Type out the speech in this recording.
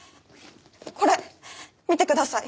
これ見てください。